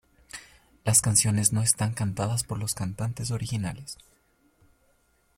Las canciones no están cantadas por los cantantes originales.